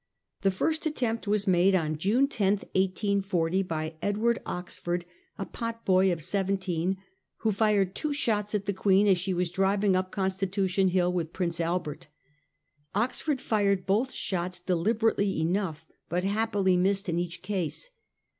The first attempt was made on June 10, 1840, by Edward Oxford, a potboy of seventeen, who fired two shots at the Queen as she was driving up Constitution Hill with Prince Albert. Oxford fired both shots deliberately enough, but happily missed in each case.